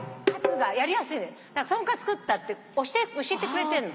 だからトンカツ食ったって教えてくれてんの。